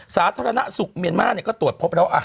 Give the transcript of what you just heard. สาธารณสุขเมียนมาร์ก็ตรวจพบแล้ว